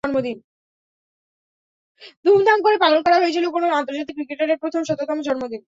ধুমধাম করে পালন করা হয়েছিল কোনো আন্তর্জাতিক ক্রিকেটারের প্রথম শততম জন্মদিন।